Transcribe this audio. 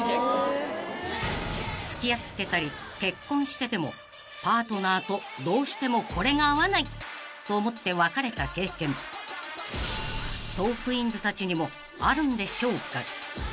［付き合ってたり結婚しててもパートナーとどうしてもこれが合わないと思って別れた経験トークィーンズたちにもあるんでしょうか］